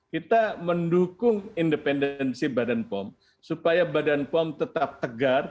kita mendukung independensi badan pom supaya badan pom tetap tegar